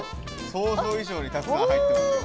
想像以上にたくさん入ってますよ！